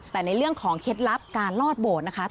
แต่ในเรื่องของเคล็ดลับการลอดโบสถ์นะคะ